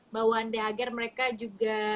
bahwa agar mereka juga